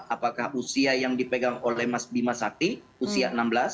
apakah usia yang dipegang oleh mas bima sakti usia enam belas